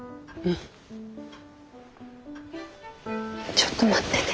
ちょっと待ってて。